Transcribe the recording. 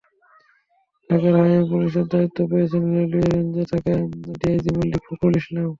ঢাকার হাইওয়ে পুলিশের দায়িত্ব পেয়েছেন রেলওয়ে রেঞ্জে থাকা ডিআইজি মল্লিক ফখরুল ইসলাম।